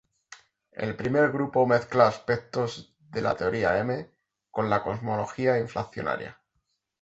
El primer grupo mezcla aspectos de la teoría M con la cosmología inflacionaria.